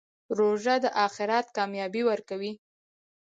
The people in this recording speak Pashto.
روژه د آخرت کامیابي ورکوي.